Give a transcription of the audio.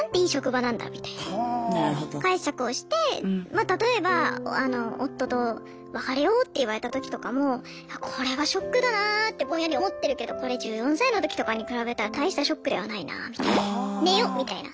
まあ例えば夫と別れようって言われた時とかもこれはショックだなってぼんやり思ってるけどこれ１４歳の時とかに比べたら大したショックではないなみたいな寝よみたいな。